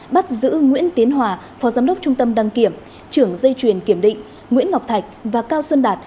bắt giữ nguyễn tiến hòa phó giám đốc trung tâm đăng kiểm trưởng dây truyền kiểm định nguyễn ngọc thạch và cao xuân đạt